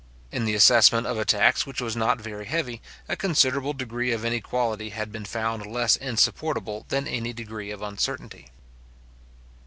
In the assessment of a tax which was not very heavy, a considerable degree of inequality had been found less insupportable than any degree of uncertainty.